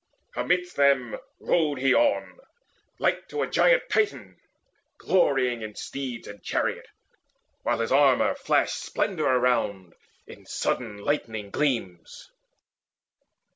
Amidst them rode he on Like to a giant Titan, glorying In steeds and chariot, while his armour flashed Splendour around in sudden lightning gleams.